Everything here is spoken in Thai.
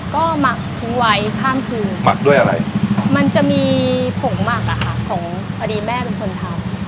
ก็หมักทิ้งไว้ข้างคืนหมักด้วยอะไรมันจะมีผงหมักอะค่ะของอดีตแม่เป็นคนทำ